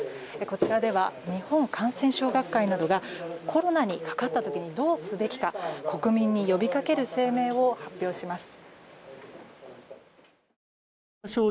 こちらでは日本感染症学会などがコロナにかかった時にどうすべきか国民に呼び掛ける声明を発表します。